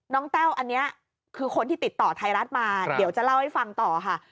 แต้วอันนี้คือคนที่ติดต่อไทยรัฐมาเดี๋ยวจะเล่าให้ฟังต่อค่ะ